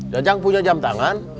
jajang punya jam tangan